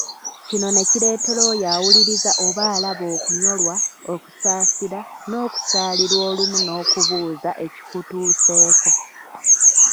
Kino ne kireetera oyo awuliriza oba alaba okunyolwa, okusaasira, n’okusaalirwa olumu n’okubuuza ekikutuuseeko.